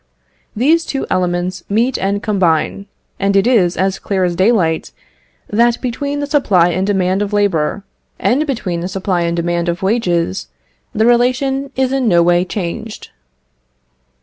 These two elements meet and combine, and it is as clear as daylight, that between the supply and demand of labour, and between the supply and demand of wages, the relation is in no way changed.